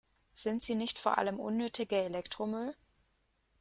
Sind sie nicht vor allem unnötiger Elektromüll?